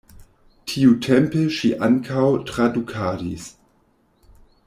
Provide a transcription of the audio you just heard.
Tiutempe ŝi ankaŭ tradukadis.